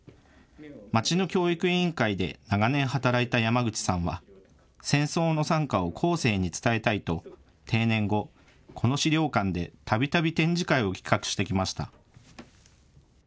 町の教育委員会で長年働いた山口さんは戦争の惨禍を後世に伝えたいと定年後、この資料館でたびたび展示会を企画してきました。